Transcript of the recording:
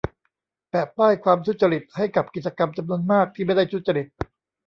แปะป้ายความ ทุจริต ให้กับกิจกรรมจำนวนมากที่ไม่ได้ทุจริต